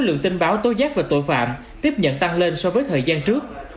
số lượng tin báo tối giác và tội phạm tiếp nhận tăng lên so với thời gian trước